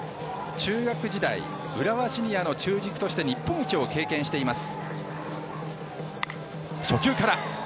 中学時代、浦和シニアの中軸として日本一を経験しています。